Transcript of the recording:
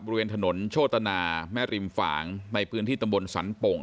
บริเวณถนนโชตนาแม่ริมฝางในพื้นที่ตำบลสันโป่ง